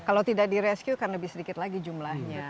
kalau tidak direscue kan lebih sedikit lagi jumlahnya